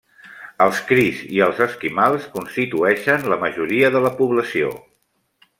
Els crees i els esquimals constitueixen la majoria de la població.